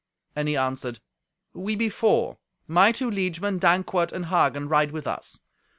And he answered, "We be four. My two liegemen, Dankwart and Hagen, ride with us.